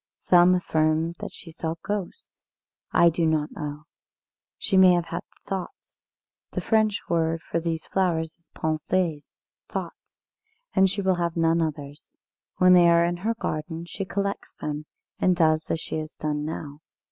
Some affirm that she saw ghosts. I do not know she may have had Thoughts. The French word for these flowers is pensées thoughts and she will have none others. When they are in her garden she collects them, and does as she has done now.